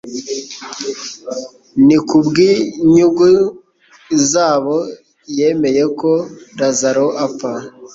Ni kubw'inytngu zabo yemeye ko Lazaro apfa.